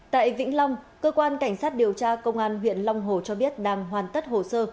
tại vĩnh long cơ quan cảnh sát điều tra công an huyện long hồ cho biết đang hoàn tất hồ sơ